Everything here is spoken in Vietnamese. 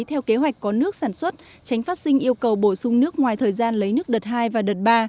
theo kế hoạch có nước sản xuất tránh phát sinh yêu cầu bổ sung nước ngoài thời gian lấy nước đợt hai và đợt ba